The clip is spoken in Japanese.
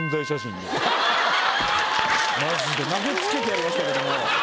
マジで投げ付けてやりましたけども。